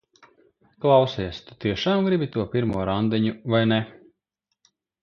Klausies, tu tiešām gribi to pirmo randiņu, vai ne?